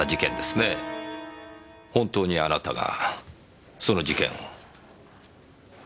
本当にあなたがその事件を？